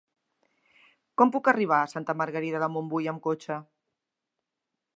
Com puc arribar a Santa Margarida de Montbui amb cotxe?